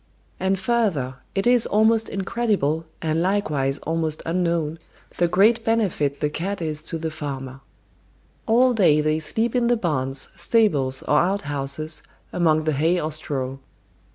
And further, it is almost incredible, and likewise almost unknown, the great benefit the cat is to the farmer. All day they sleep in the barns, stables, or outhouses, among the hay or straw.